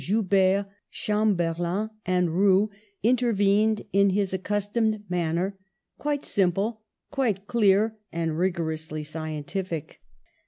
Joubert, Cham berland and Roux, intervened in his accustomed manner, quite simple, quite clear and rigor ously scientific.